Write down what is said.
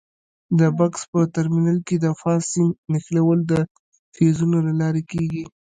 د بکس په ترمینل کې د فاز سیم نښلول د فیوزونو له لارې کېږي.